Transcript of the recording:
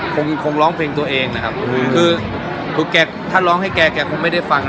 ผมคงร้องเพลงตัวเองนะคือถ้าร้องให้แกคงไม่ได้ฟัง